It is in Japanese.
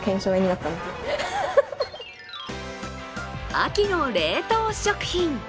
秋の冷凍食品。